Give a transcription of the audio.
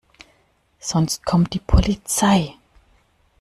Sonst kommt die Polizei.